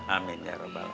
amin ya allah